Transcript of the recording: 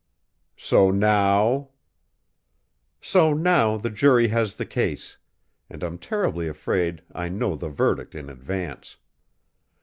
"So now " "So now the jury has the case and I'm terribly afraid I know the verdict in advance.